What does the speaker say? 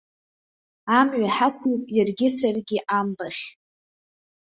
Амҩа ҳақәуп иаргьы саргьы амбахь.